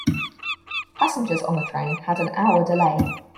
Passengers on the train had an hour delay.